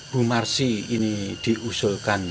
bu marsi ini diusulkan